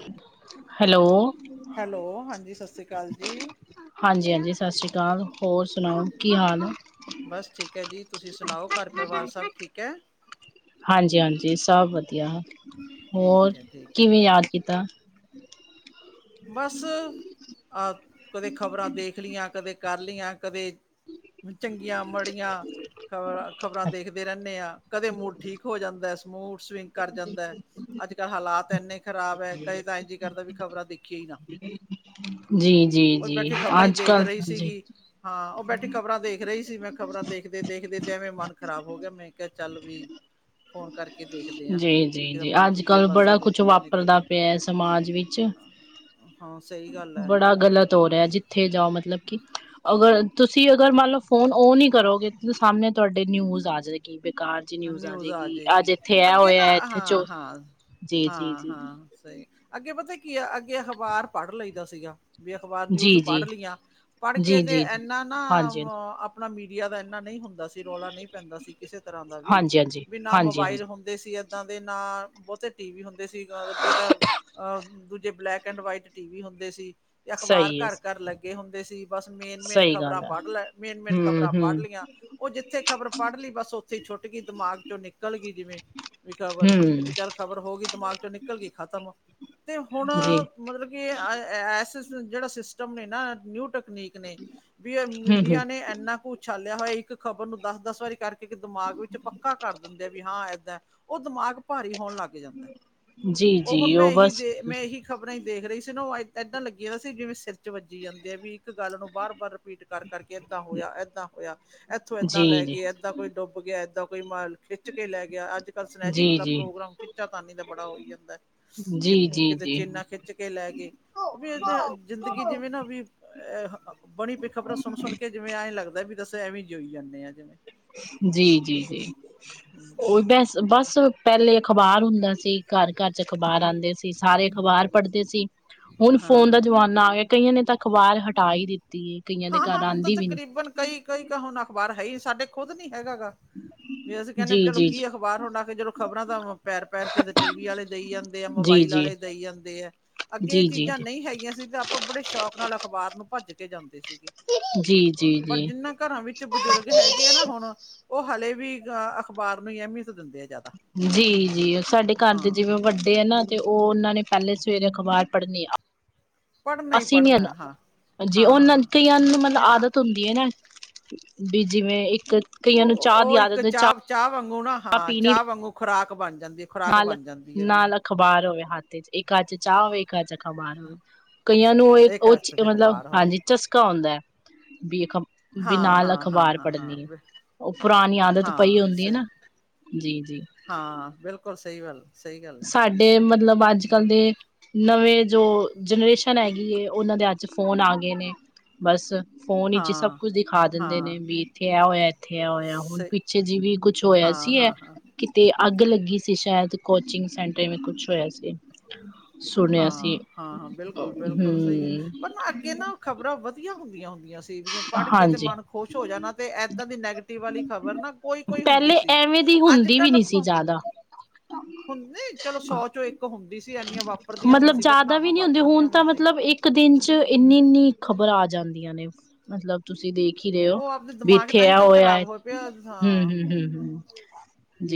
[inaudible] Hello. Hello ਹਾਂਜੀ ਸਾ ਹਾਂਜੀ-ਹਾਂਜੀ ਸਾਸ੍ਰੀ ਕਾਲ ਹੋਰ ਸੁਣਾਓ ਹਾਂਜੀ ਕੀ ਹਾਲ ਨੇ। ਬਸ ਠੀਕ ਐ ਜੀ ਤੁਸੀਂ ਸੁਣਾਓ ਘਰ ਪਰਿਵਾਰ ਸਬ ਠੀਕ ਐ। ਹਾਂਜੀ-ਹਾਂਜੀ ਸਬ ਵਦੀਆ ਹੋਰ ਠੀਕ ਹੈ ਠੀਕ ਠੀਕ ਕਿਵੇਂ ਯਾਦ ਕੀਤਾ। ਬਸ ਆ ਕਦੇ ਖ਼ਬਰਾਂ ਦੇਖ ਲਈਆਂ, ਕਦੇ ਕਰ ਲਈਆਂ ਕਦੇ ਚੰਗੀਆਂ ਮੜੀਆਂ ਖਬਰਾਂ ਖਬਰਾਂ ਦੇਖਦੇ ਰੈਨੇ ਆ ਕਦੇ ਮੂਡ ਠੀਕ ਹੋ ਜਾਂਦਾ ਮੂਡ ਸਵਿੰਗ ਕਰ ਜਾਂਦਾ। ਅੱਜ-ਕੱਲ ਹਾਲਾਤ ਐਨੇ ਖਰਾਬ ਐ ਕਦੇ ਤਾਂ ਐ ਜੀ ਕਰਦਾ ਵੀ ਖਬਰਾਂ ਦੇਖੀਏ ਈ ਨਾ। ਜੀ ਜੀ ਓ ਜੀ ਬੈਠੀ ਖਬਰਾਂ ਈ ਅੱਜ ਦੇਖ ਕੱਲ ਰਈ ਜੀ ਸੀਗੀ। ਹਾਂ ਓ ਬੈਠੀ ਖਬਰਾਂ ਦੇਖ ਰਈ ਸੀ ਮੈਂ ਖਬਰਾਂ ਦੇਖਦੇ-ਦੇਖਦੇ ਤੇ ਐਵੇਂ ਮਨ ਖਰਾਬ ਹੋ ਗਿਆ ਮੈਂ ਕਿਆ ਚੱਲ ਵੀ। [inaudible] ਫੋਨ ਕਰਕੇ ਦੇਖਦੇ ਹਾਂ, ਜੀ ਵੀ ਜੀ ਜੇ ਜੀ ਮਨ ਅੱਜ ਦੂਜੇ ਕੱਲ ਪਾਸੇ ਬੜਾ ਕੁਛ ਹੋਜੂਗਾ ਨਹੀਂ ਤਾਂ। ਵਾਪਰਦਾ ਪਿਆ ਸਮਾਜ ਵਿੱਚ ਹਾਂ, ਸਹੀ ਗੱਲ ਐ। ਗ਼ਲਤ ਹੋ ਰਿਹਾ, ਜਿੱਥੇ ਜਾਓ ਮਤਲਬ ਕਿ ਅਗਰ, ਤੁਸੀਂ ਅਗਰ ਮੰਨਲੋ, ਫੋਨ ਓ ਨਹੀ ਕਰੋਗੇ ਸਾਹਮਣੇ ਤੁਹਾਡੇ ਨਿਊਜ਼ ਆ ਜਾਏ ਕੀ ਬੇਕਾਰ ਜੀ ਨਿਊਜ਼ ਆ ਆਜੇਗੀ, ਅੱਜ ਜਾਏਗੀ ਇਥੇ ਆ ਅੱਗੇ ਨਾ ਹੋਇਆ, ਇਥੇ ਚੋ ਹੂੰ, ਸਹੀ ਅੱਗੇ ਪਤਾ ਕੀ ਆ, ਅੱਗੇ ਅਖ਼ਬਾਰ ਪੜ੍ਹ ਲਈਦਾ ਸੀਗਾ। ਵੀ ਅਖ਼ਬਾਰ ਨਿਊਜ਼ ਜੀ ਜੀ ਪੜ੍ਹ ਲਈਆਂ, ਪੜ੍ਹਕੇ ਜੀ ਤੇ ਜੀ ਜੀ ਇਹਨਾ ਨਾਂ ਹਾਂਜੀ ਅ ਆਪਣਾ ਮੀਡੀਆ ਦਾ ਇੰਨਾ ਨਹੀਂ ਹੁੰਦਾ ਸੀ, ਰੌਲਾ ਨਹੀਂ ਪੈਂਦਾ ਸੀ ਕਿਸੇ ਤਰ੍ਹਾਂ ਦਾ ਵੀ, ਹਾਂਜੀ ਹਾਂਜੀ ਨਾ ਹਾਂਜੀ ਮੋਬਾਇਲ ਹਾਂਜੀ ਹੁੰ ਹੁੰਦੇ ਸੀ ਏਦਾਂ ਦੇ ਨਾਲ, ਬਹੁਤੇ ਟੀਵੀ ਹੁੰਦੇ ਸੀ ਅੱਗੇ ਤਾਂ ਅਹ, ਦੂਜੇ ਬਲੈਕ ਐਂਡ ਵਾਈਟ ਟੀਵੀ ਹੁੰਦੇ ਸੀ, ਤੇ ਅਖਬਾਰ ਸਹੀ ਹੈ ਘਰ-ਘਰ ਲੱਗੇ ਹੁੰਦੇ ਸੀ। ਬਸ ਮੇਨ-ਮੇਨ ਸਹੀ ਖ਼ਬਰਾਂ ਗੱਲ ਹੈ ਪੜ੍ਹਲੈ, ਮੇਨ-ਮੇਨ ਹਮ ਖ਼ਬਰਾਂ ਹਮ ਪੜ੍ਹਲੀਆਂ। ਉਹ ਜਿੱਥੇ ਖ਼ਬਰ ਪੜ੍ਹ ਲਈ, ਬਸ ਉੱਥੇ ਛੁੱਟ ਗਈ ਦਿਮਾਗ'ਚੋਂ ਨਿਕ ਨਿੱਕਲਗੀ ਜਿਵੇਂ ਵੀ ਖ਼ਬਰ, ਤੇ ਹਮ ਬ ਚੱਲ ਖ਼ਬਰ ਹੋਗੀ ਦਿਮਾਗ'ਚੋਂ ਨਿੱਕਲਗੀ ਖ਼ਤਮ। ਤੇ ਹੁਣ, ਜੀ ਮਤਲਬ ਕਿ ਜਿਹੜਾ ਸਿਸਟਮ ਨੇ ਨਾ ਨਿਊ ਟ ਤਕਨੀਕ ਨੇ, ਵੀ ਹਮ ਮੀਡੀਆ ਹਮ ਨੇ ਇੰਨਾ ਕੁਛ ਉਛਾਲਿਆ ਹੋਇਆ, ਇੱਕ ਖ਼ਬਰ ਨੂੰ ਦੱਸ-ਦੱਸ ਵਾਰੀ ਕਰਕੇ ਇੱਕ ਦਿਮਾਗ ਵਿੱਚ ਚ ਪੱਕਾ ਕਰ ਦਿੰਦੇ ਆ ਵੀ ਹਾਂ ਏਦਾਂ, ਉਹ ਦਿਮਾਗ ਭਾਰੀ ਹੋਣ ਲੱਗ ਜਾਂਦਾ, ਜੀ ਉਹ ਹੁਣ ਜੀ ਮੈਂ ਇਹੀ ਬਸ ਦੇ, ਮੈਂ ਇਹੀ ਖ਼ਬਰਾਂ ਹੀ ਦੇਖ ਰਹੀ ਸੀ ਨਾ, ਏਦਾਂ ਲੱਗੀਆਂ ਸੀ ਜਿਵੇਂ ਸਿਰ'ਚ ਵੱਜੀ ਜਾਂਦੇ ਆ ਵੀ, ਇੱਕ ਗੱਲ ਨੂੰ ਬਾਰ-ਬਾਰ ਰਿਪੀਟ ਕਰ-ਕਰਕੇ ਏਦਾਂ ਹੋਇਆ, ਏਦਾਂ ਹੋਇਆ, ਇੱਥੋਂ ਏਦਾਂ ਜੀ ਜੀ ਲੈਗੇ, ਏਦਾਂ ਕੋਈ ਡੁੱਬਗਿਆ ਏਦਾਂ ਕੋਈ ਖਿੱਚ ਕੇ ਲੈਗਿਆ, ਅੱਜ- ਕੱਲ ਸਨੈਚਿੰਗ ਜੀ ਦਾ ਜੀ ਪ੍ਰੋਗਰਾਮ ਖਿੱਚਾ ਤਾਂਨੀ ਦਾ ਬੜਾ ਹੋਈ ਜਾਂਦਾ। ਕਿ, ਜੀ ਜੀ ਕਿਤੇ ਜੀ ਚੇਨਾ ਖਿੱਚਕੇ ਲੈ ਗਏ। ਉਹ ਵੀ ਇਹ ਜ਼ਿੰਦਗੀ ਜਿਵੇਂ ਨਾ ਵੀ, ਬਣੀ ਪਈ ਖ਼ਬਰਾਂ ਸੁਣ-ਸੁਣਕੇ ਜਿਵੇਂ ਐਂਈ ਲੱਗਦਾ, ਵੀ ਦੱਸ ਐਵੇਂ ਜੋਈਈ ਜਾਂਨੇ ਆ ਜਿਵੇਂ। ਜੀ, ਜੀ, ਜੀ, ਉਹ ਬਸ-ਬਸ। ਪਹਿਲੇ ਅਖਬਾਰ ਹੁੰਦਾ ਸੀ, ਘਰ-ਘਰ'ਚ ਅਖ਼ਬਾਰ ਆਂਦੇ ਸੀ, ਸਾਰੇ ਅਖ਼ਬਾਰ ਪੜ੍ਹਦੇ ਸੀ। ਹੁਣ ਫੋਨ ਹਾਂ ਦਾ ਜ਼ਮਾਨਾ ਆਗਿਆ, ਕਈਆਂ ਨੇ ਤਾ ਅਖਬਾਰ ਹਟਾ ਹੀ ਦਿੱਤੀ। ਕਈਆਂ ਦੇ ਘਰ ਹਾਂ-ਹਾਂ, ਹੁਣ ਤਾਂ ਆਉਂਦੀ ਵੀ ਨੀ ਤਕਰੀਬਨ ਕਈ-ਕਈ ਹੁਣ ਅਖ਼ਬਾਰ ਹੈਹੀ, ਸਾਡੇ ਖੁਦ ਨਹੀਂ ਹੈਗਾ ਗਾ। ਵੀ ਅਸੀਂ ਕਹਿੰਨੇ, ਵੀ ਜੀ ਚਲੋ ਜੀ ਜੀ ਕੀ ਅਖ਼ਬਾਰ ਹੁਣ ਆ ਕੇ ਜਦੋਂ ਖ਼ਬਰਾਂ ਤਾਂ ਪੈਰ-ਪੈਰ ਤੇ ਟੀਵੀ ਵਾਲੇ ਦੇਈ ਜਾਂਦੇ ਆ, ਜੀ ਮੋਬਾਈਲ ਜੀ ਵਾਲੇ ਦਈ ਜਾਂਦੇ ਆ, ਅੱਗੇ ਇਹ ਜੀ ਜੀ ਚੀਜ਼ਾਂ ਜੀ ਨਹੀਂ ਹੈਗੀਆਂ ਸੀ ਤਾਂ ਆਪਾਂ ਬੜੇ ਸ਼ੌਕ ਨਾਲ ਅਖਬਾਰ ਨੂੰ ਭੱਜਕੇ ਜਾਂਦੇ ਸੀਗੇ। ਜੀ ਜੀ ਪਰ, ਜੀ ਜਿੰਨਾਂ ਘਰਾਂ ਵਿੱਚ ਬਜ਼ੁਰਗ ਹੈਗੇ ਆ ਨਾ ਹੁਣ ਉਹ ਹੱਲੇੇ ਵੀ, ਅਖ਼ਬਾਰ ਨੂੰ ਹੀ ਅਹਿਮੀਅਤ ਦਿੰਦੇ ਆ ਜਿਆ ਜੀ-ਜੀ, ਉਹ ਸਾਡੇ ਘਰ ਦੇ ਜਿਵੇਂ ਵੱਡੇ ਆ ਨਾ ਤੇ, ਉਹ ਉਹਨਾਂ ਨੇ ਪਹਿਲੇ ਸਵੇਰੇ ਅਖਬਾਰ ਪੜ੍ਹਨੀ ਪੜ੍ਹਨਾ ਹੀ ਅਸੀਂ ਨੀ ਹੈਨ, ਪੜ੍ਹਨਾ ਹਾਂ। ਜੀ ਉਹਨਾਂ ਹਾਂ ਕਈਆਂ ਨ ਮਤਲਬ ਨਹੀਂ ਆ, ਆਦਤ ਹੁੰਦੀ ਹੈਨਾ। ਬੀ ਜਿਵੇਂ, ਇੱਕ ਕਈਆਂ ਉਹ, ਨੂੰ ਚਾਹ ਦੀ ਉਹ ਇੱਕ ਆਦਤ ਚਾਹ ਚਾਹ-ਚਾਹ ਵਾਂਗੂ ਨਾ, ਹਾਂ, ਪੀਣੀ ਚਾਹ ਵਾਂਗੂ ਖੁਰਾਕ ਬਣ ਜਾਂਦੀ। ਖੁਰਾਕ ਨਾਲ, ਬਣ ਜਾਂਦੀ ਹੈ ਵੀ। ਨਾਲ ਅਖ਼ਬਾਰ ਹੋਵੇ ਹੱਥ'ਚ, ਇੱਕ ਹੱਥ'ਚ ਚਾਹ ਹੋਵੇ, ਇੱਕ ਹੱ ਚ ਅਖ਼ਬਾਰ ਹੋਵੇ। ਕਈਆਂ ਨੂੰ ਇਹ, ਇੱਕ ਉਹ'ਚ ਅਸਤ ਚ ਮਤਲਬ, ਅਖ਼ਬਾਰ ਹੋਵੇ ਹਾਂਜੀ ਚਸਕਾ ਹੁੰਦਾ ਹੈ। ਬੀ ਬੀ ਹਾਂ ਨਾਲ ਹਾਂ ਹਾਂ ਅਖ਼ਬਾਰ ਹਾਂ ਹਾਂ। ਪੜ੍ਹਨੀ ਏ। ਉਹ ਪੁਰਾਣੀ ਆਦਤ ਪਈ ਹਾਂ ਹੁੰਦੀ ਹੈ ਸਹੀ ਨਾ, ਜੀ-ਜੀ। ਹਾਂ, ਬਿਲਕੁਲ ਸਹੀ ਗੱਲ। ਸਹੀ ਗੱਲ ਹੈ ਸਾਡੇ ਮਤਲਬ, ਅੱਜ-ਕੱਲ ਬਿਲਕੁਲ ਦੇ ਨਵੇਂ ਜੋ, ਜਨਰੇਸ਼ਨ ਹੈਗੀ ਏ, ਉਹਨਾਂ ਦੇ ਹੱਥ'ਚ ਫੋਨ ਆ ਗਏ ਨੇ, ਬਸ। ਫੋਨ ਵਿੱਚ ਈ ਸਭ ਹਾਂ ਕੁਝ ਦਿਖਾ ਦਿੰਦੇ ਨੇ, ਹਾਂ ਵੀ ਇੱਥੇ ਆ ਹੋਇਆ, ਇੱਥੇ ਆ ਹੋਇਆ, ਹੁਣ ਸਹੀ ਪਿੱਛੇ ਜੀ ਵੀ ਕੁਛ ਹੋਇਆ ਹਾਂ ਸੀ ਐ। ਹਾਂ ਹਾਂ ਕਿਤੇ ਅੱਗ ਲੱਗੀ ਸੀ ਸ਼ਾਇਦ, ਕੋਚਿੰਗ ਸੈਂਟਰ ਵਿੱਚ ਐਂਵੇ ਕੁਛ ਹੋਇਆ ਸੀ। ਸੁਣਿਆ ਸੀ ਹਾਂ, ਹਾਂ, ਹਾਂ ਬਿਲਕੁਲ-ਬਿਲਕੁਲ ਸਹੀ ਏ, ਹਮ ਪਰ ਨਾ ਅੱਗੇ ਨਾ ਖ਼ਬਰਾਂ ਵਧੀਆ ਹੁੰਦੀਆਂ ਹੁੰਦੀਆਂ ਵੀ ਜ ਪੜ੍ਹ ਕੇ ਤੇ ਹਾਂਜੀ ਮਨ ਖੁਸ਼ ਹੋ ਜਾਣਾ, ਤੇ ਇਏਦਾਂ ਦੀ ਨੈਗੇਟਿਵ ਵਾਲੀ ਖ਼ਬਰ ਨਾ ਕੋਈ ਕੋਈ ਹੁੰਦੀ ਸੀ ਕਦੀ ਹੁੰਦੀ ਵੀ ਨੀ ਸੀ ਜ਼ਿਆਦਾ, ਹੁੰਦੀ, ਚਲੋ ਸੌ ਚੋਂ ਇੱਕ ਹੁੰਦੀ ਸੀ ਇੰਨੀ ਵਾਰ ਮਤਲਬ ਜਿਆਦਾ ਵੀ ਨਹੀਂ ਹੁੰਦੇ ਹੁਣ ਤਾਂ ਸੀ ਮਤਲਬ ਇੱਕ ਦਿਨ ਚ ਇੰਨੀ ਇੰਨੀ ਖ਼ਬਰ ਆ ਜਾਂਦੀਆਂ ਨੇ, ਮਤਲਬ ਤੁਸੀਂ ਦੇਖ ਹੀ ਰਹੇ ਹੋ ਉਹ ਆਪਦੇ ਵੀ, ਦਿਮਾਗ ਤਾਂ ਇੱਥੇ ਹੀ ਆ ਤਾਂ ਹੋਇਆ ਖ਼ਰਾਬ ਹੋਏ ਪਿਆ ਹਮ ਹਾਂ ਹਮ ਹ ਹ।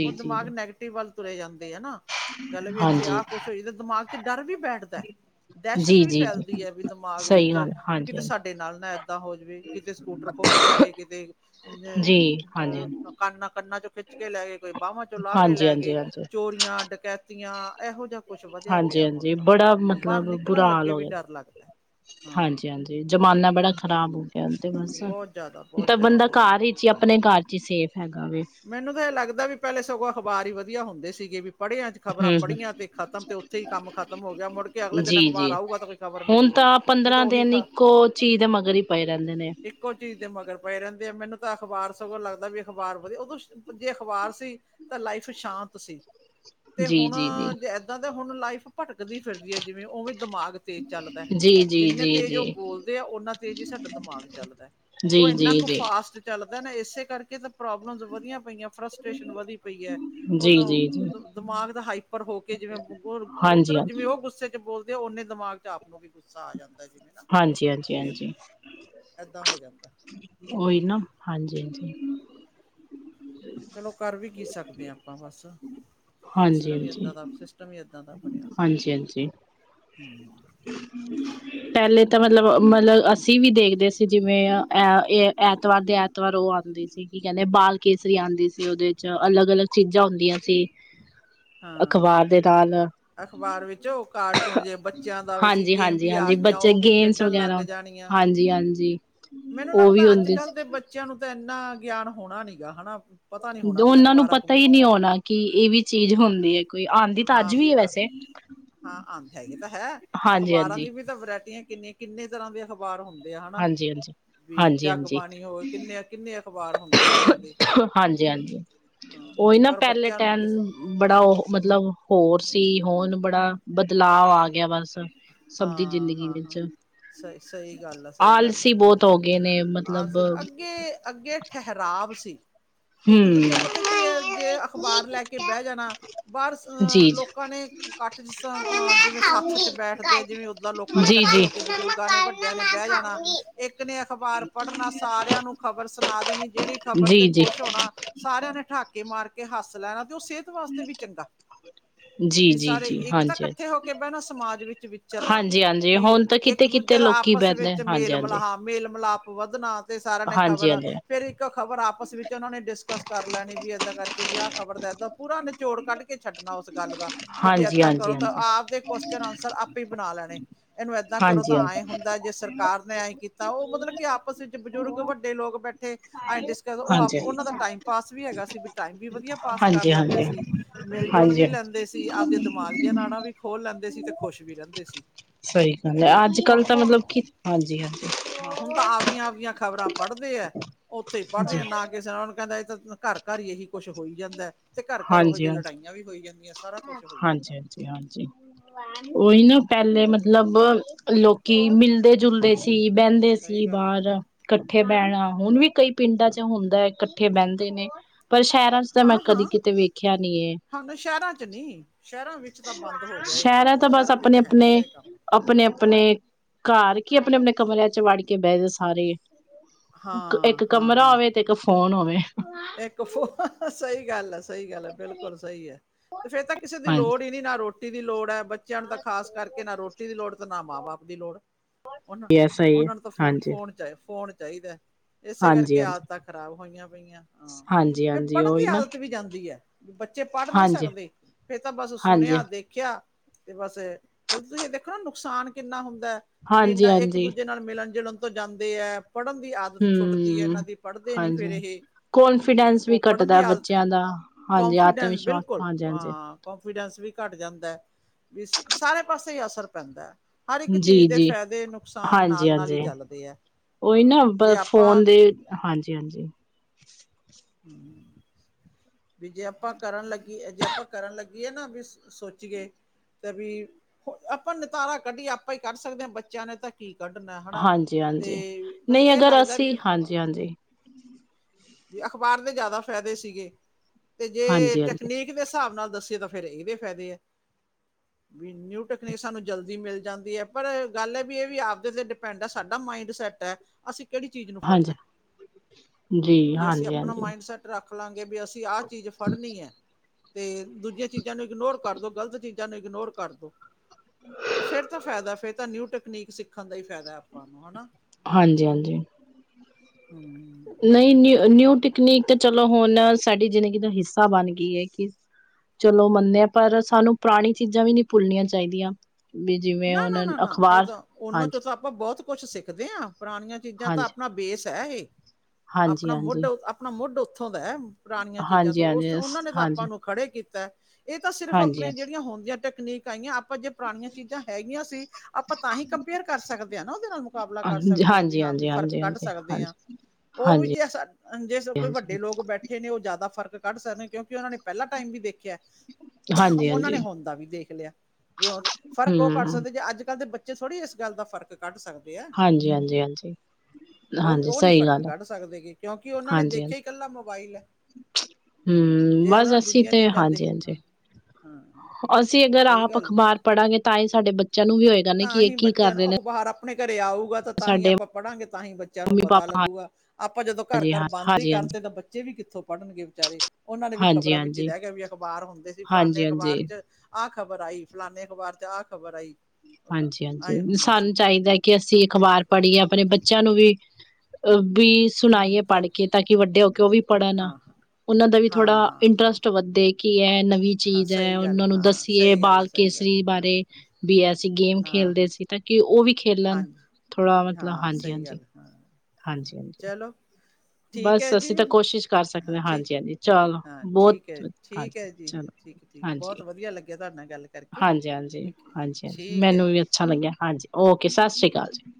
ਉਹ ਦਿਮਾਗ ਨੈਗੇਟਿਵ ਵੱਲ ਤੁਰੇ ਜਾਂਦੇ ਹੈ ਨਾ, ਗੱਲ ਵੀ ਇੱਥੇ ਹਾਂਜੀ ਆਹ ਕੁਛ ਹੋਈ ਦਾ ਦਿਮਾਗ ਚ ਡਰ ਵੀ ਬੈਠਦਾ। ਦਹਿਸ਼ਤ ਜੀ ਵੀ ਜੀ ਜੀ ਫੈਲਦੀ ਹੈ ਵੀ ਦਿਮਾਗ ਸਹੀ ਵਿੱਚ ਗੱਲ ਵੀ, ਹਾਂਜੀ ਕਿਤੇ ਹਾਂਜੀ ਸਾਡੇ ਨਾਲ ਨਾ ਏਦਾਂ ਹੋ ਜਾਵੇ! ਸਕੂਟਰ ਖੋਹ ਕੇ ਲੈ ਗਏ ਕਿਤੇ, ਜੀ ਹਾਂਜੀ ਅ ਅ ਕਾਨਾ ਕੰਨਾਂ ਚੋਂ ਖਿੱਚ ਕੇ ਲੈ ਗਏ, ਕੋਈ ਬਾਹਵਾਂ ਚੋਂ ਲਾਹ ਕੇ ਹਾਂਜੀ ਲੈ ਹਾਂਜੀ ਗਏ ਹਾਂਜੀ ਚੋਰੀਆਂ, ਡਕੈਤੀ ਇਹੋ ਜਿਹਾ ਕੁਛ ਵਧਿਆ ਹਾਂਜੀ ਪਿਆ ਹੁਣ ਹਾਂਜੀ ਤਾਂ ਬੜਾ ਹੁਣ ਬਾਹਰ ਮਤਲਬ ਨਿਕਲਣ ਬੁਰਾ ਹਾਲ ਲੱਗੇ ਹੋ ਵੀ ਗਿਆ ਡਰ ਲੱਗਦਾ। ਹਾਂ ਹਾਂਜੀ ਹਾਂਜੀ, ਜਮਾਨਾ ਬੜਾ ਖ਼ਰਾਬ ਹੋ ਗਿਆ ਤੇ ਬਸ ਬਹੁਤ ਜ਼ਿਆਦਾ ਬਹੁਤ ਤਾਂ ਬੰਦਾ ਜ਼ਿਆਦਾ ਘਰ ਹੀ 'ਚ ਹੀ ਆਪਣੇ ਘਰ ਚ ਹੀ ਸੇਫ ਹੈਗਾ ਵ ਮੈਨੂੰ ਤਾਂ ਇਹ ਲੱਗਦਾ ਵੀ ਪਹਿਲੇ ਸਗੋਂ ਅਖ਼ਬਾਰ ਹੀ ਵਧੀਆ ਹੁੰਦੇ ਸੀਗੇ ਵੀ ਪੜ੍ਹਿਆਂ ਖ਼ਬਰਾਂ ਹਮ ਪੜ੍ਹੀਆਂ ਤੇ ਖਤਮ ਤੇ ਉੱਥੇ ਹੀ ਕੰਮ ਖਤਮ ਹੋ ਗਿਆ, ਮੁੜ ਕੇ ਅਗਲੇ ਹਮ ਦਿਨ ਜੀ ਅਖ਼ਬਾਰ ਜੀ ਆਊਗਾ ਤਾਂ ਕੋਈ ਖਬਰ ਹੁਣ ਮਿਲੇਗੀ ਤਾਂ ਪੰਦਰਾਂ ਦਿਨ ਇੱਕੋ ਚੀਜ਼ ਦੇ ਮਗਰ ਹੀ ਪਏ ਰਹਿੰਦੇ ਨੇ ਇੱਕੋ ਚੀਜ਼ ਦੇ ਮਗਰ ਪਏ ਰਹਿੰਦੇ ਆ ਮੈਨੂੰ ਤਾਂ ਅਖਬਾਰ ਸਗੋਂ ਲੱਗਦਾ ਵੀ ਅਖ਼ਬਾਰ ਵਧੀਆ ਉਦੋਂ ਜੇ ਅਖਬਾਰ ਸੀ, ਤਾਂ ਲਾਈਫ ਸ਼ਾਂਤ ਸੀ ਤੇ ਜੀ ਹੁਣ? ਜੀ ਜੀ ਇਦਾਂ ਤਾਂ ਹੁਣ ਲਾਈਫ ਭਟਕਦੀ ਫਿਰਦੀ ਹੈ ਜਿਵੇਂ, ਉਹ ਵੀ ਦਿਮਾਗ ਤੇਜ਼ ਚੱਲਦਾ ਜੀ ਜੀ ਜਿੰਨੇ ਜੀ ਤੇਜ਼ ਜੀ ਉਹ ਬੋਲਦੇ ਆ ੳਨਾ ਤੇਜ਼ ਹੀ ਸਾਡਾ ਦਿਮਾਗ ਚੱਲਦਾ, ਉਹ ਜੀ ਜੀ ਇੰਨਾ ਕੁ ਜੀ ਫਾਸਟ ਚੱਲਦਾ ਨਾ ਇਸੇ ਕਰਕੇ ਤਾਂ ਪ੍ਰੋਬਲਮ ਵਧੀਆ ਪਈਆਂ, ਫਰਸਟ੍ਰੇਸ਼ਨ ਵਧੀ ਪਈ ਹੈ। ਜੀ ਜੀ ਜੀ ਉਦੋਂ ਦਿਮਾਗ ਦਾ ਹਾਈਪਰ ਹੋ ਕੇ ਜਿਵੇਂ ਹਾਂਜੀ ਉਧਰ ਜਿਵੇਂ ਹਾਂਜੀ ਉਹ ਗੁੱਸੇ ਚ ਬੋਲ ਓਨੇ ਦਿਮਾਗ 'ਚ ਆਪ ਨੂੰ ਵੀ ਗੁੱਸਾ ਆ ਜਾਂਦਾ ਜੀ ਹਾਂਜੀ ਹਾਂਜੀ ਹਾਂਜੀ, ਏਦਾਂ ਹੋ ਜਾਂਦਾ। ਉਹੀ ਨਾ ਹਾਂਜੀ ਹਾਂਜੀ ਚਲੋ ਕਰ ਵੀ ਕੀ ਸਕਦੇ ਹਾਂ ਆਪਾਂ, ਬਸ ਹਾਂਜੀ ਸਿਸਟਮ ਹੀ ਹਾਂਜੀ ਏਦਾਂ ਦਾ ਸਿਸਟਮ ਹੀ ਦਾ ਆਪਣਿਆ ਫਰਜੀ, ਹਾਂਜੀ ਹਾਂਜੀ ਹਮ ਪਹਿਲੇ ਤਾਂ ਮਤਲਬ, ਮਤਲਬ ਅਸੀਂ ਵੀ ਦੇਖਦੇ ਸੀ ਜਿਵੇਂ ਐਤਵਾਰ ਦੇ ਐਤਵਾਰ ਉਹ ਆਉਂਦੀ ਸੀ ਕੀ ਕਹਿੰਦੇ ਬਾਲ ਕੇਸਰੀ ਆਉਂਦੀ ਸੀ ਉਹਦੇ 'ਚ ਅਲੱਗ ਅਲੱਗ ਚੀਜ਼ਾਂ ਹੁੰਦੀਆਂ ਸੀ, ਹਾਂ। ਅਖਬਾਰ ਦੇ ਨਾਲ ਅਖ਼ਬਾਰ ਵਿੱਚ ਉਹ ਕਾਰਟੂਨ ਜੇ ਬੱਚਿਆਂ ਦਾ ਵੀਸੀ ਹਾਂਜੀ ਗੇਮ ਹਾਂਜੀ ਵੀ ਆ ਹਾਂਜੀ ਗ ਬੱਚੇ ਉਹ ਵੀ ਗੇਮਸ ਖੇਡਣ ਲੱਗ ਵਗੈਰਾ ਜਾਣੀਆਂ। ਹਾਂਜੀ ਹਾਂਜੀ। ਮੈਨੂੰ ਉਹ ਵੀ ਲੱਗਦਾ ਅੱਜ ਹੁੰਦੀ ਕੱਲ੍ਹ ਦੇ ਸੀ। ਬੱਚਿਆਂ ਨੂੰ ਤਾਂ ਇੰਨਾ ਗਿਆਨ ਹੋਣਾ ਨੀ ਗਾ, ਹਨਾ ਪਤਾ ਨੀ ਹੋਣਾ ਵੀ ਉਹਨਾਂ ਨੂੰ ਅਖ਼ਬਾਰਾਂ ਪਤਾ ਅਖਬੂਰ ਹੀ ਨਹੀਂ ਹੋਣਾ ਕਿ ਇਹ ਵੀ ਚੀਜ਼ ਹੁੰਦੀ ਹੈ ਕੋਈ, ਆਉਂਦੀ ਤਾਂ ਅੱਜ ਵੀ ਹੈ ਵੈਸੇ ਹਾਂ ਆ ਹੈਗੇ ਤਾਂ ਹੈ ਹਾਂਜੀ ਅਖ਼ਬਾਰਾਂ ਹਾਂਜੀ ਦੀ ਹਾਂਜੀ ਵੀ ਤਾਂ ਵਰਾਇਟੀਆਂ, ਕਿੰਨੀਆਂ ਕਿੰਨੇ ਤਰ੍ਹਾਂ ਦੇ ਅਖਬਾਰ ਹੁੰਦੇ ਹਨਾ ਹਾਂਜੀ ਹਾਂਜੀ ਵੀ ਹਾਂਜੀ ਜਗਬਾਣੀ ਹੋਵੇ, ਕਿੰਨੇ ਕਿੰਨੇ ਅਖ਼ਬਾਰ ਹੁੰਦੇ ਆ। ਹਾਂਜੀ ਹਾਂਜੀ, ਹਾਂ ਉਹੀ ਤੇ ਨਾ ਪਰ ਪਹਿਲੇ ਬੱਚਿਆਂ ਨੂੰ ਟੈਮ ਕਿਸ ਬੜਾ ਉਹ ਮਤਲਬ ਹੋਰ ਸੀ, ਹੁਣ ਬੜਾ ਬਦਲਾਵ ਆ ਗਿਆ ਬਸ ਸਭ ਦੀ ਹਾਂ ਜ਼ਿੰਦਗੀ ਹਾਂ ਹਾਂ ਵਿੱਚ ਸਹੀ ਸਹੀ ਗੱਲ ਆ, ਸਹੀ ਗੱਲ ਆਲਸੀ ਬਹੁਤ ਹੋ ਗਏ ਨੇ ਆ ਮਤਲਬ ਅਸੀ ਅੱਗੇ ਅੱਗੇ ਠਹਿਰਾਵ ਸੀ ਇੱਕ ਹਮ ਦੂਜੇ ਨੂੰ ਪਤਾ ਕੀ ਹੈ ਜੇ ਅਖ਼ਬਾਰ ਲੈ ਕੇ ਬਹਿ ਜਾਣਾ, ਬਾਹਰ ਅਹ ਜੀ ਜੀ ਲੋਕਾਂ ਨੇ ਇਕੱਠ, ਜਿਵੇਂ ਸੱਥ ਚ ਬੈਠਦੇ ਆ ਜਿਵੇਂ ਉੱਦਾਂ ਲੋਕਾਂ ਨੇ ਜੀ ਇਕੱਠੇ ਜੀ ਜੀ ਹੋ ਕੇ ਬਜ਼ੁਰਗਾਂ ਨੇ ਵੱਡਿਆਂ ਨੇ ਬਹਿ ਜਾਣਾ ਇੱਕ ਨੇ ਅਖ਼ਬਾਰ ਪੜ੍ਹਨਾ ਸਾਰਿਆਂ ਨੂੰ ਖ਼ਬਰ ਸੁਣਾ ਦੇਣੀ, ਜਿਹੜੀ ਖ਼ਬਰ ਤੇ ਜੀ ਜੀ ਖੁਸ਼ ਹੋਣਾ ਸਾਰਿਆਂ ਨੇ ਠਾਕੇ ਮਾਰ ਕੇ ਹੱਸ ਲੈਣਾ ਤੇ, ਉਹ ਸਿਹਤ ਵਾਸਤੇ ਵੀ ਚੰਗਾ, ਜੀ ਵੀ ਸਾਰੇ ਜੀ ਇੱਕ ਤਾਂ ਹਾਂਜੀ ਹਾਂਜੀ ਇਕੱਠੇ ਹੋ ਕੇ ਬਹਿਣਾ ਸਮਾਜ ਵਿੱਚ ਵਿਚਰਨਾ- ਹਾਂਜੀ-ਹਾਂਜੀ ਵੀ ਹੁਣ ਤਾਂ ਇੱਕ ਕਿਤੇ-ਕਿਤੇ ਦੂਜੇ ਦਾ ਲੋਕੀ ਆਪਸ ਬਹਿੰਦੇ ਵਿੱਚ ਮੇਲ ਹਾਂਜੀ-ਹਾਂਜੀ। ਮਿਲਾਪ ਮੇਲ ਮਿਲਾਪ ਵੱਧਣਾ ਤੇ ਸਾਰਿਆਂ ਨੇ ਖ਼ਬਰ ਹਾਂਜੀ-ਹਾਂਜੀ, ਫੇਰ ਇੱਕ ਖ਼ਬਰ ਆਪਸ ਵਿੱਚ ਉਹਨਾਂ ਨੇ ਡਿਸਕਸ ਕਰ ਲੈਣੀ ਵੀ, ਏਦਾਂ ਕਰਕੇ ਵੀ ਆਹ ਖਬਰ ਦਾ ਇਏਦਾਂ ਪੂਰਾ ਨਿਚੋੜ ਕੱਢ ਛੱਡਣਾ ਉਸ ਗੱਲ ਦਾ ਵੀ ਜੇ ਏਦਾਂ ਕਰੋ ਤਾਂ ਹਾਂਜੀ-ਹਾਂਜੀ-ਹਾਂਜੀ, ਆਪ ਈ ਕੋਸ਼ਿਚਣ ਅਨਸਰ ਸਰ ਆਪੇ ਹੀ ਬਣਾ ਲੈਣੇ ਇਹਨੂੰ ਏਦਾਂ ਕਰੋ ਤਾਂ ਆਏਂ ਹਾਂਜੀ-ਹਾਂਜੀ, ਹਾਂਜੀ। ਹੁੰ ਦਾ ਜੇ ਸਰਕਾਰ ਨੇ ਐਂ ਕੀਤਾ ਉਹ ਮਤਲਬ ਕਿ ਆਪਸ ਵਿੱਚ ਬਜ਼ੁਰਗ ਵੱਡੇ ਲੋਕ ਬੈਠੇ ਐਂ ਡਿਸਕਸ ਉਹ ਆਪ ਹਾਂਜੀ-ਹਾਂਜੀ, ਉਹਨਾਂ ਦਾ ਟਾਈਮ ਪਾਸ ਵੀ ਹੈਗਾ ਸੀ ਵੀ ਟਾਈਮ ਵੀ ਵਧੀਆ ਪਾਸ ਕਰ ਲੈਂਦੇ ਹਾਂਜੀ, ਸੀ ਮਿਲ ਜੁਲ ਵੀ ਹਾਂਜੀ-ਹਾਂਜੀ, ਹਾਂਜੀ। ਲੈਂਦੇ ਸੀ ਆਪਦੇ ਦਿਮਾਗ ਦੀਆਂ ਨਾਲਾਂ ਵੀ ਖੋਲ ਲੈਂਦੇ ਸੀ ਤੇ ਖੁਸ਼ ਵੀ ਰਹਿੰਦੇ ਸੀ ਸਹੀ ਗੱਲ ਐ ਤੇ ਅੱਜ ਕੱਲ ਹੁਣ ਤਾਂ ਹੁਣ ਮਤਲਬ ਕੀ ਹਾਂਜੀ ਹਾਂਜੀ ਹਾਂ ਹੁਣ ਤਾਂ ਆਪਦੀਆਂ ਆਪਦੀਆਂ ਖ਼ਬਰਾਂ ਪੜ੍ਹਦੇ ਆ ਉੱਥੇ ਹੀ ਪੜ੍ਹਦੇ ਜੀ ਆ ਨਾ ਕਿ ਕਿਸੇ ਨਾਲ ਕਹਿੰਦਾ ਇਹ ਤਾਂ ਘਰ ਘਰ ਇਹੀ ਕੁੱਛ ਹੋਈ ਜਾਂਦਾ ਤੇ ਘਰ ਘਰ ਉਹ ਜਿਹੇ ਹਾਂਜੀ-ਹਾਂਜੀ। ਲੜਾਈਆਂ ਵੀ ਹੋਈ ਜਾਂਦੀਆਂ ਸਾਰਾ ਕੁਛ ਹੋਈ ਜਾਂਦਾ ਤਾਂ ਹਾਂਜੀ-ਹਾਂਜੀ, ਹਾਂਜੀ ਉਹੀ ਨਾ ਪਹਿਲੇ ਮਤਲਬ ਲੋਕ ਕੀ ਮਿਲਦੇ-ਜੁਲਦੇ ਸੀ ਬਹਿੰਦੇ ਸਹੀ ਸੀ ਗੱਲ ਆ ਸਹੀ ਬਾਹਰ। ਕੱਠੇ ਬਹਿਣਾ ਹੁਣ ਵੀ ਕਈ ਪਿੰਡਾਂ 'ਚ ਹੁੰਦਾ ਐ ਇਕੱਠੇ ਬਹਿੰਦੇ ਨੇ। ਪਰ ਸ਼ਹਿਰਾਂ 'ਚ ਤਾਂ ਮੈਂ ਕਦੀ ਕਿਤੇ ਵੇਖਿਆ ਨੀ ਏ। ਹ ਸ਼ਹਿਰਾਂ 'ਚ ਨੀ ਸ਼ਹਿਰਾਂ ਵਿੱਚ ਤਾਂ ਬੰਦ ਹੋ ਗਿਆ ਇਹ ਕੰਮ ਸ਼ਹਿਰਾਂ ਵਿੱਚ ਹੈ ਨੀ ਗਾ ਇਹ ਕੰਮ। ਆਪਣੇ-ਆਪਣੇ ਘਰ ਕੀ ਆਪਣੇ-ਆਪਣੇ ਕਮਰਿਆਂ 'ਚ ਵੜ ਕੇ ਬਹਿ ਜੋ ਸਾਰੇ। ਕ ਹਾਂ ਇੱਕ ਹਾਂ ਕਮਰਾ ਹਾਂ ਹੋਵੇ ਤੇ ਇੱਕ ਫੋਨ ਹੋਵੇ। ਇੱਕ ਫੋਨ ਸਈ ਗੱਲ ਆ ਸਈ ਗੱਲ ਐ। ਬਿਲਕੁੱਲ ਸਈ ਐ ਤੇ ਫੇਰ ਤਾਂ ਕਿਸੇ ਦੀ ਲੋੜ ਈ ਹਾਂਜੀ ਨੀ ਨਾ ਰੋਟੀ ਦੀ ਲੋੜ ਐ ਬੱਚ ਬਚਿਆਂ ਨੂੰ ਤਾਂ ਖਾਸ ਕਰਕੇ ਨਾ ਰੋਟੀ ਦੀ ਲੋੜ ਤੇ ਨਾ ਮਾਂ ਬਾਪ ਦੀ ਲੋੜ। ਉਹ ਐਸਾ ਹੀ ਹੈ ਉਹਨਾਂ ਨੂੰ ਤਾਂ ਫੋਨ ਹਾਂਜੀ ਫੋਨ ਫੋਨ ਚਾਹੀਦਾ ਇਸੇ ਹਾਂਜੀ ਕਰਕੇ ਆਜ ਹਾਂਜੀ ਤੱਕ ਖ਼ਰਾਬ ਹੋਈਆਂ ਪਈਆਂ ਹਾਂ ਹਾਂਜੀ ਫੇਰ ਹਾਂਜੀ ਪੜ੍ਹਨ ਦੀ ਉਹੀ ਨਾ ਆਦਤ ਵੀ ਜਾਂਦੀ ਏ ਬੱਚੇ ਪੜ੍ਹ ਨਹੀਂ ਹਾਂਜੀ ਸਕਦੇ ਫੇਰ ਤਾਂ ਬਸ ਹਾਂਜੀ ਸੁਣਿਆ ਦੇਖ ਕਿਆ ਤੇ ਬਸ ਤੁਸੀਂ ਦੇਖੋ ਨਾ ਨੁਕਸਾਨ ਕਿੰਨਾ ਹੁੰਦਾ ਵੀ ਹਾਂਜੀ ਨਾ ਇੱਕ ਹਾਂਜੀ ਦੂਜੇ ਨਾਲ ਮਿਲਣ ਜੁਲਣ ਤੋਂ ਜਾਂਦੇ ਏ ਪੜ੍ਹਨ ਦੀ ਆਦਤ ਛੁਟਦੀ ਹੈ ਇਹਨਾਂ ਹਮ ਦੀ ਪੜ੍ਹਦੇ ਨਹੀਂ ਹਾਂਜੀ ਫਿਰ ਇਹ ਵੀ ਕੋਨਫੀਡੈਂਸ ਉਹ ਪੜ੍ਹਨ ਦੀ ਘੱਟਦਾ ਆਦਤ ਬੱਚਿਆਂ ਦਾ ਹਾਂਜੀ ਆਤਮ ਕੋਂਫੀਡੈਂਸ ਵਿਸ਼ਵਾਸ ਬਿਲਕੁਲ ਹਾਂਜੀ ਹਾਂਜੀ ਅਹ ਕੋਂਨਫੀਡੈਂਸ ਵੀ ਘੱਟ ਜਾਂਦਾ ਵੀ ਸਾਰੇ ਪਾਸੇ ਹੀ ਅਸਰ ਪੈਂਦਾ ਏ ਹਰ ਇੱਕ ਜੀ ਚੀਜ਼ ਦੇ ਜੀ ਫ਼ਾਇਦੇ ਨੁਕਸਾਨ ਹਾਂਜੀ ਨਾਲ ਨਾਲ ਹੀ ਹਾਂਜੀ ਚੱਲਦੇ ਐ ਉਹੀ ਨਾ ਫੋਨ ਦੇ ਹਾਂਜੀ ਹਾਂਜੀ [unintelligible] ਵੀ ਜੇ ਆਪਾਂ ਕਰਨ ਲੱਗੀਏ ਜੇ ਆਪਾਂ ਕਰਨ ਲੱਗੀਏ ਨਾ ਵੀ ਸੋਚੀਏ ਤੇ ਵੀ ਆਪਾਂ ਨਿਤਾਰਾ ਕੱਢੀ ਆਪਾਂ ਹੀ ਕਰ ਸਕਦੇ ਹਾਂ ਬੱਚਿਆਂ ਨੇ ਤਾਂ ਕੀ ਕੱਢਣਾ ਹੈਨਾ ਹਾਂਜੀ ਤੇ ਹਾਂਜੀ ਬਸ ਨਹੀਂ ਇਹ ਅਗਰ ਲੱਗਦਾ ਅਸੀਂ ਵੀ ਹਾਂਜੀ ਹਾਂਜੀ ਵੀ ਅਖ਼ਬਾਰ ਦੇ ਜ਼ਿਆਦਾ ਫਾਇਦੇ ਸੀਗੇ ਤੇ ਜੇ ਹਾਂਜੀ ਹਾਂਜੀ ਤਕਨੀਕ ਕਿਵੇਂ ਹਿਸਾਬ ਨਾਲ ਦਸੀੇਏ ਤਾਂ ਫੇਰ ਇਹਦੇ ਫਾਇਦੇ ਐ ਵੀ ਨਿਊ ਟਕਨੀਕ ਸਾਨੂੰ ਜਲਦੀ ਮਿਲ ਜਾਂਦੀ ਐ ਪਰ ਗੱਲ ਐ ਵੀ ਇਹ ਵੀ ਆਪਦੇ ਤੇ ਡਿਪੈਂਡ ਐ ਸਾਡਾ ਮਾਇੰਡ ਸੈਟ ਐ। ਅਸੀਂ ਕਿਹੜੀ ਚੀਜ਼ ਨੂੰ ਹਾਂਜੀ ਫੜਨਾ। ਜੀ ਜੇ ਅਸੀਂ ਆਪਣਾ ਹਾਂਜੀ-ਹਾਂਜੀ। ਮਾਈਂਡ ਸੈਟ ਰੱਖ ਲਾਗੇ ਵੀ ਅਸੀਂ ਆਹ ਚੀਜ਼ ਫੜਨੀ ਐ। ਤੇ ਦੂਜੀਆਂ ਚੀਜ਼ਾਂ ਨੂੰ ਇਗਨੋਰ ਕਰਦੋ ਗਲਤ ਚੀਜ਼ਾਂ ਨੂੰ ਇਗਨੋਰ ਕਰ ਦੋ। ਤੇ ਫੇਰ ਤਾਂ ਫਾਇਦਾ ਫੇਰ ਤਾਂ ਨਿਊ ਟਕਨੀਕ ਸਿੱਖਣ ਦਾ ਈ ਫਾਇਦਾ ਆਪਾਂ ਨੂੰ ਹਨਾ। ਹਾਂਜੀ-ਹਾਂਜੀ। ਹਮ। ਨਈ ਨਿਊ-ਨਿਊ ਟਕਨੀਕ ਤਾਂ ਚਲੋ ਹੁਣ ਸਾਡੀ ਜ਼ਿੰਦਗੀ ਦਾ ਹਿੱਸਾ ਬਣ ਗੀ ਏ ਕਿ ਚਲੋ ਮੰਨਦੇ ਆ ਪਰ ਸਾਨੂੰ ਪੁਰਾਣੀ ਚੀਜ਼ਾਂ ਵੀ ਨੀ ਭੁੱਲਣੀਆਂ ਚਾਈਦੀਆਂ। [unintelligible] ਨਾ-ਨਾ-ਨਾ-ਨਾ ਉਹ ਤਾਂ ਉਹਨਾਂ ਚੋਂ ਹਾਂਜੀ ਤਾਂ ਆਪਾਂ ਬਹੁਤ ਕੁਛ ਸਿੱਖਦੇ ਆ ਪੁਰਾਣੀਆਂ ਚੀਜ਼ਾਂ ਤਾਂ ਹਾਂਜੀ ਆਪਣਾ ਬੇਸ ਐ ਇਹ, ਹਾਂਜੀ ਆਪਣਾ ਮੁੱਢ ਹਾਂਜੀ ਆਪਣਾ ਮੁੱਢ ਉੱਥੋਂ ਦਾ। ਪੁਰਾਣੀਆਂ ਚੀਜ਼ਾਂ ਹਾਂਜੀ ਤੋਂ ਹਾਂਜੀ ਉਸ ਉਹਨਾਂ ਨੇ ਤਾਂ ਆਪਾਂ ਹਾਂਜੀ ਨੂੰ ਖੜੇ ਕੀਤਾ ਇਹ ਤਾਂ ਸਿਰਫ਼ ਹਾਂਜੀ ਆਪਣੀਆਂ ਜਿਹੜੀਆਂ ਹੁਣ ਦੀਆਂ ਟੈਕ ਨੀਕ ਆਈਆਂ ਆਪਾਂ ਜੇ ਪੁਰਾਣੀਆਂ ਚੀਜ਼ਾਂ ਹੈਗੀਆਂ ਸੀ। ਆਪਾਂ ਤਾਂ ਹੀ ਕੰਮਪੇਅਰ ਕਰ ਸਕਦੇ ਆ ਨਾ ਉਹਦੇ ਨਾਲ ਮੁਕਾਬਲਾ ਕਰ ਹਾਂਜੀ ਸਕਦੇ ਆ ਵੀ ਹਾਂਜੀ ਹਾਂ ਵੀ ਹਾਂਜੀ ਹਾਂਜੀ ਹਾਂਜੀ ਫ਼ਰਕ ਕੱਢ ਹਾਂਜੀ ਸਕਦੇ ਆ‌। ਉਹ ਵੀ ਹਾਂਜੀ ਜੇ ਸਾਡ ਜੇ ਕੋਈ ਵੱਡੇ ਲੋਕ ਬੈਠ ਠੇ ਨੇ ਉਹ ਜ਼ਿਆਦਾ ਫਰਕ ਕੱਢ ਸਕਦੇ ਕਿਉਂਕਿ ਉਹਨਾਂ ਨੇ ਪਹਿਲਾਂ ਟਾਈਮ ਵੀ ਵੇਖਿਆ। ਹਾਂਜੀ ਹਾਂਜੀ ਉਹਨਾਂ ਨੇ ਹਾਂਜੀ ਹੋਂਦਾ ਵੀ ਦੇੇਖ ਲਿਆ ਵੀ ਉ ਫਰਕ ਉਹ ਕਢ ਹਮ ਸਕਦੇ ਜੇ ਅੱਜ-ਕੱਲ ਦੇ ਬੱਚੇ ਥੋੜੀ ਇਸ ਗੱਲ ਦਾ ਫਰਕ ਕੱਢ ਸਕਦੇ ਆ। ਹਾਂਜੀ-ਹਾਂਜੀ-ਹਾਂਜੀ। ਉਹ-ਉਹ ਨੀ ਫ਼ਰਕ ਕੱਢ ਸਕਦੇ ਕਿ ਕਿਉਂਕਿ ਉਹਨਾਂ ਨੇ ਦੇਖਿਆ ਈ ਕੱਲਾ ਮੋਬਾਈਲ ਐ। ਹੂੰ ਬਸ ਅਸੀਂ ਤੇ ਚੀਜ਼ਾਂ ਦੇ ਹਾਂਜੀ-ਹਾਂਜੀ। ਹਾਂ ਹਾਂ ਅਸੀਂ ਅਗਰ ਸਹੀ ਆਪ ਗੱਲ ਅਖ਼ਬਾਰ ਪੜਾਂਗੇ ਤਾਂ ਈ ਸਾਡੇ ਬੱਚਿਆਂ ਨੂੰ ਵੀ ਨਾ ਤਾਂ ਕਿ ਇਹ ਹੀ ਕੀ ਕਰ ਬੱਚਿਆਂ ਰਹੇ ਨੂੰ ਨੇ ਅਖ਼ਬਾਰ ਆਪਣੇ ਘਰੇ ਆਊਗਾ ਤਾਂ-ਤਾਂ ਹੀ ਸਾਡੇ ਆਪਾਂ ਪੜਾਂਗੇ ਤਾਂ ਹੀ ਬੱਚਿਆਂ ਨੂੰ ਮੰਮੀ ਪਤਾ ਪਾਪਾ ਲੱਗੂਗਾ। ਆਪਾਂ ਜਦੋਂ ਜੀ ਘਰ-ਘਰ ਹਾਂ ਬੰਦ ਈ ਹਾਂਜੀ ਹਾਂਜੀ ਕਰਤੇ ਤਾਂ ਬੱਚੇ ਵੀ ਕਿੱਥੋਂ ਪੜ੍ਹਨਗੇ ਵਿਚਾਰੇ। ਓਨਾਂ ਦੇ ਵੀ ਹਾਂਜੀ ਖ਼ਬਰਾਂ ਵਿੱਚ ਹੀ ਹਾਂਜੀ ਰਹਿ ਗੇ ਵੀ ਅਖ਼ਬਾਰ ਹੁੰਦੇ ਸੀ, ਫਲਾਨੇ ਹਾਂਜੀ ਅਖ਼ਬਾਰ ਹਾਂਜੀ ਚ ਆਹ ਖ਼ਬਰ ਆਈ ਫਲਾਨੇ ਅਖ਼ਬਾਰ 'ਚ ਆਹ ਖ਼ਬਰ ਆਈ। ਉਹ ਤਾਂ ਆਏ ਹਾਂਜੀ-ਹਾਂਜੀ ਹੁੰਦਾ ਸੀ ਸਾਨੂੰ ਫਿਰ ਚਾਈਦਾ ਕਿ ਅਸੀਂ ਆਪੇ ਅਖ਼ਬਾਰ ਦੇਖ ਪੜ੍ਹੀਏ, ਲੈਣਗੇ ਅਪਨੇ ਬੱਚੇ ਬੱਚਿਆਂ ਨੂੰ ਵੀ ਅ ਵੀ ਸੁਣਾਈਏ ਹਮ ਚ ਪੜ੍ਹ ਕੇ ਤਾਂ ਕਿ ਵੱਡੇ ਹੋ ਕੇ ਓ ਵੀ ਪੜ੍ਹਨ। ਅਪਨਾ ਹਾਂ ਹਾਂ ਓਨਾਂ ਦਾ ਵੀ ਥੋੜਾ ਹਾਂ ਹਾਂ ਹਾਂ ਇੰਟਰਸਟ ਵੱਧੇ ਕਿ ਐ ਨ ਵੀ ਹਾਂ ਚੀਜ਼ ਐ, ਸਹੀ ਗੱਲ ਉਹਨਾਂ ਨੂੰ ਹਾਂ ਦੱਸੀਏ ਸਹੀ ਗੱਲ ਆ ਬਾਲ ਸਹੀ ਗੱਲ ਕੇਸਰੀ ਹਾਂ ਬਾਰੇ ਵੀ ਏ ਅਸੀਂ ਗੇਮ ਹਾਂ ਖੇਲਦੇ ਹਾਂ ਸੀ ਤਾਂ ਕਿ ਓ ਵੀ ਖੇਲਣ ਹਾਂਜੀ ਥੋੜਾ ਮਤਲਬ ਹਾਂ ਸਹੀ ਹਾਂਜੀ-ਹਾਂਜੀ। ਗੱਲ ਹਾਂ। ਹਾਂਜੀ-ਹਾਂਜੀ। ਚਲੋ ਠੀਕ ਬਸ ਹੈ ਜੀ ਅਸੀਂ ਤਾਂ ਫਿਰ ਕੋਸ਼ਿਸ਼ ਕਰ ਸਕਦੇ ਹਾਂ ਆ ਠੀਕ ਹਾਂਜੀ-ਹਾਂਜੀ ਚਲੋ ਹਾਂ ਬਹੁਤ ਠੀਕ ਹੈ ਠੀਕ ਹਾਜੀ ਹੈ ਜੀ ਚਲੋ ਠੀਕ ਠੀਕ ਬਹੁਤ ਹਾਂਜੀ, ਵਧੀਆ ਲੱਗਿਆ ਤੁਹਾਡੇ ਨਾਲ ਗੱਲ ਕਰਕੇ ਠੀਕ ਹੈ ਹਾਂਜੀ-ਹਾਂਜੀ-ਹਾਂਜੀ ਠੀਕ ਹੈ ਮੈਨੂੰ ਜੀ ਵੀ ਅੱਛਾ ਲੱਗਿਆ ਹਾਂਜੀ ਓਕੇ ਸਤਿ ਸ਼੍ਰੀ ਅਕਾਲ ਜੀ।